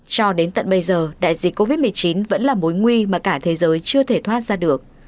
cho đến tận bây giờ đại dịch covid một mươi chín vẫn là mối nguy mà cả thế giới chưa thể thoát ra được